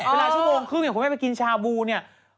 เวลาชั่วโมงครึ่งอย่างคุณแม่ไปกินชาบูเนี่ย